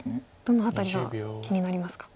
どの辺りが気になりますか。